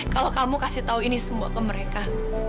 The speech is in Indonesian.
kalau kamu kasih tahu ini semua ke mereka